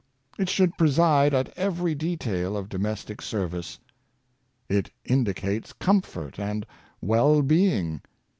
It should preside at every detail of domestic service. It indicates comfort and well being.